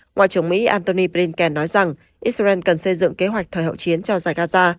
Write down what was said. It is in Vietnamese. ngoại trưởng mỹ antony blinken nói rằng israel cần xây dựng kế hoạch thời hậu chiến cho giải gaza